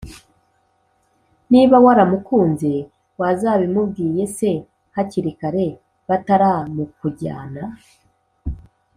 niba waramukunze wazabimubwiye c hakiri kare bataramukujyana